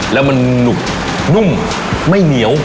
แล้วมันหนุกนุ่มไม่เหนียว